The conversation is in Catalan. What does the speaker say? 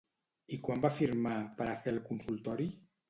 I quan va firmar per a fer el consultori?